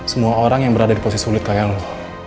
semua orang yang berada di posisi sulit kayak lo